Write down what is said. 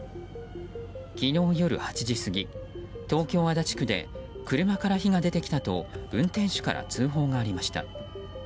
昨日夜８時過ぎ、東京・足立区で車から火が出てきたと運転手から通報がありました。